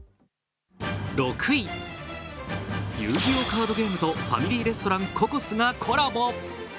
６位、遊戯王カードゲームとファミリーレストラン・ココスがコラボ。